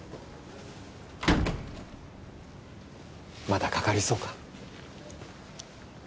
まだかかりそうか？